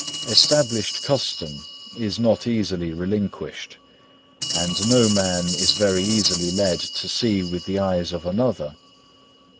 3. Established custom is not easily relinquished, and no man is very easily led to see with the eyes of another.